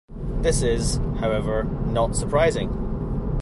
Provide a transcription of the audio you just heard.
This is, however, not surprising.